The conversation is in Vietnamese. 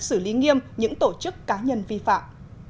xử lý nghiêm những tổ chức cá nhân vi phạm